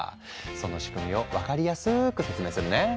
その仕組みを分かりやすく説明するね。